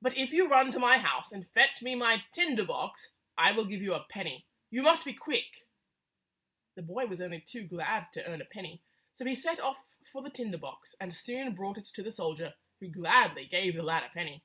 But if you run to my house and fetch me my tinder box, I will give you a penny. You must be quick." The boy was only too glad to earn a penny, so he set off for the tinder box, and soon brought it to the soldier, who gladly gave the lad a penny.